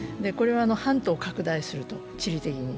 半島を拡大すると、地理的に。